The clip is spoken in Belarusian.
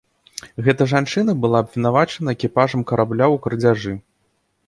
Гэта жанчына была абвінавачана экіпажам карабля ў крадзяжы.